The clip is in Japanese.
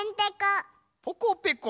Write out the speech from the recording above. ポコペコ。